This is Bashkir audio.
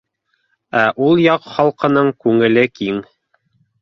Ә ул яҡ халҡының күңеле киң